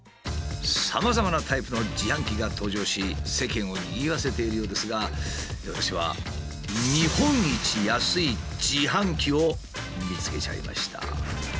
さまざまなタイプの自販機が登場し世間をにぎわせているようですが私は日本一安い自販機を見つけちゃいました。